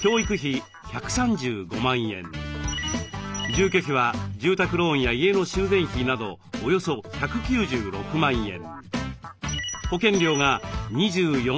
住居費は住宅ローンや家の修繕費などおよそ１９６万円。